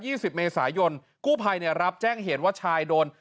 สิบเมษายนกู้ภัยเนี่ยรับแจ้งเหตุว่าชายโดน